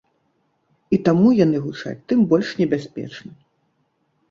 І таму яны гучаць тым больш небяспечна.